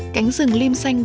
cảnh rừng liêm xanh đậm đẹp